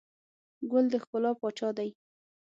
ګل د ښکلا پاچا دی.